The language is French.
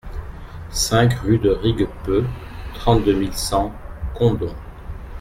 cinq rue de Riguepeu, trente-deux mille cent Condom